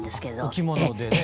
お着物でね。